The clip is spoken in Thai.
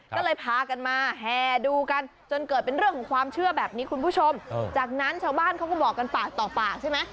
ก็เลยพากันมาแห่ดูกันจนเกิดเป็นเรื่องของความเชื่อแบบนี้คุณผู้ชมจากนั้นชาวบ้านเขาก็บอกกันปากต่อปากใช่ไหม